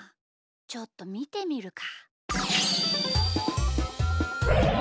ちょっとみてみるか。